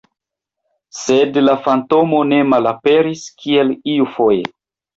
Sed la fantomo ne malaperis, kiel iufoje.